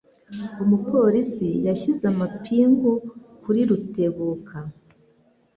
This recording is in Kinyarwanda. Umupolisi yashyize amapingu kuri Rutebuka.